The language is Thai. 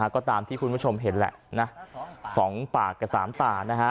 ก็ตามที่คุณผู้ชมเห็นแหละนะ๒ปากกับ๓ตานะฮะ